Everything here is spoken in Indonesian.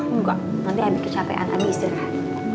enggak nanti abie kecapean abie istirahat